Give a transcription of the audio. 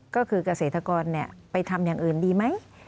ก็คือเกษตรกรไปทำอย่างอื่นดีไหม